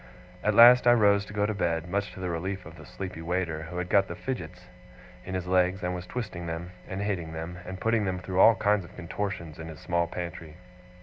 At last I rose to go to bed, much to the relief of the sleepy waiter, who had got the fidgets in his legs, and was twisting them, and hitting them, and putting them through all kinds of contortions in his small pantry.